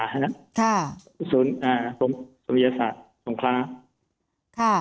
โรงพยาบาลยะลาส่งขา